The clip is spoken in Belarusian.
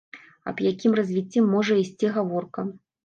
Аб якім развіцці можа ісці гаворка?